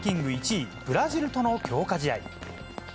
１位、ブラジルとの強化試合。